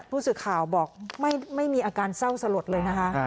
ผู้สื่อข่าวบอกไม่มีอาการเศร้าสลดเลยนะคะ